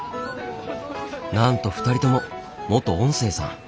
なんと２人とも元音声さん。